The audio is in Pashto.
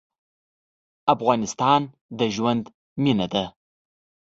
افغانستان د ژوند مېنه ده.